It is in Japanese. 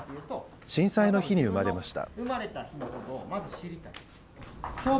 震災の日に産まれました。